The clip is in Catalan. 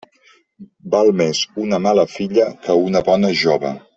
Val més una mala filla que una bona jove.